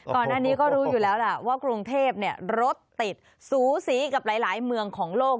ก่อนหน้านี้ก็รู้อยู่แล้วล่ะว่ากรุงเทพรถติดสูสีกับหลายเมืองของโลก